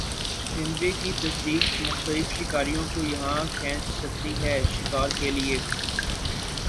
تیندوے کی تصدیق مختلف شکاریوں کو یہاں کھینچ سکتی ہے شکار کے لیے